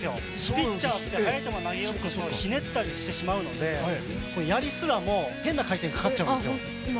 ピッチャーって速い球を投げようとするとひねったりしてしまうのでやりすらも変な回転かかっちゃうんですよ。